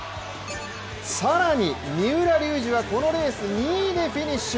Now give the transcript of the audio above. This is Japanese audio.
更に、三浦龍司はこのレース２位でフィニッシュ。